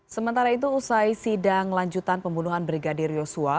sementara itu usai sidang lanjutan pembunuhan brigadir yosua